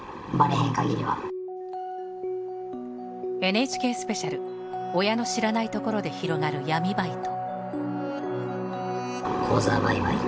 ＮＨＫスペシャル親の知らないところで広がる闇バイト。